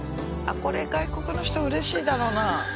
これ外国の人嬉しいだろうな。